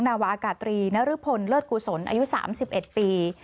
นาวะอากาศตรีณฤพลเลิศกุศลอายุสามสิบเอ็ดปี